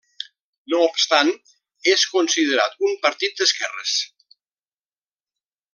No obstant és considerat un partit d'esquerres.